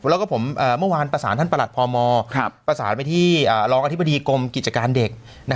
แล้วก็ผมเมื่อวานประสานท่านประหลัดพมประสานไปที่รองอธิบดีกรมกิจการเด็ก